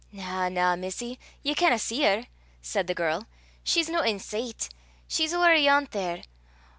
"Na, na, missie! ye canna see her," said the girl; "she's no in sicht. She's ower ayont there.